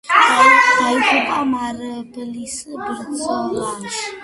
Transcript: დაიღუპა მარაბდის ბრძოლაში.